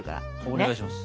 お願いします。